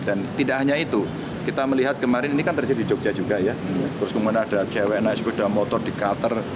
dan tidak hanya itu kita melihat kemarin ini kan terjadi di jogja juga ya terus kemudian ada cwn asb motor di qatar